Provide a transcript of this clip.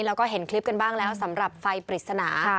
แล้วก็เห็นคลิปกันบ้างแล้วสำหรับไฟปริศนา